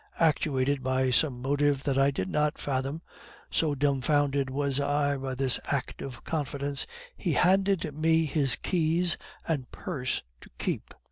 Actuated by some motive that I did not fathom, so dumfounded was I by this act of confidence, he handed me his keys and purse to keep.